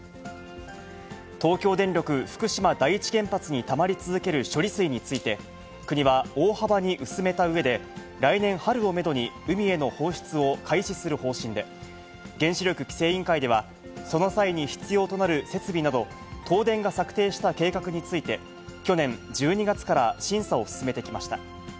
東京電力福島第一原発にたまり続ける処理水について、国は大幅に薄めたうえで、来年春をメドに、海への放出を開始する方針で、原子力規制委員会では、その際に必要となる設備など、東電が策定した計画について、去年１２月から審査を進めてきました。